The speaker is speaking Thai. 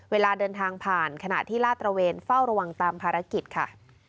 เวลาเดินทางผ่านขณะที่ลาดตระเวนเฝ้าระวังตามภารกิจค่ะ